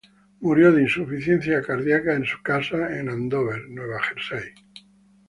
Murió de insuficiencia cardíaca en su casa en Andover, Nueva Jersey.